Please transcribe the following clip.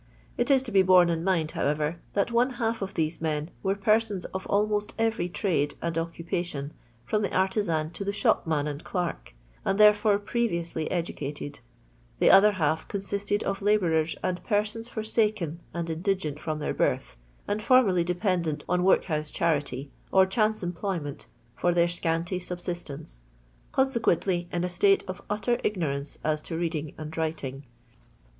It is to be borne in mind, howeTer, that one half of these men were pemns of almost erery trade and occu pation, from the artisan to the shopman and clerk, and therefore preriously educated ; the other half ooniisted of labourers and persons forsaken and indigent from their birth, and formerly dependent on workhouse charity or chance employment for their scanty subsistence ; consequently in a state of utter ignorance as to reading and writing.